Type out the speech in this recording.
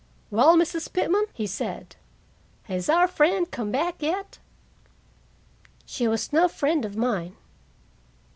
"Well, Mrs. Pitman," he said, "has our friend come back yet?" "She was no friend of mine."